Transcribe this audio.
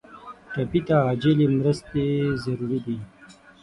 ټپي ته عاجل مرستې ضروري دي.